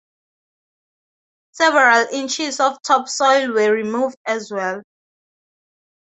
Several inches of topsoil were removed as well.